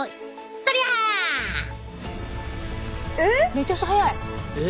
めちゃくちゃ速い！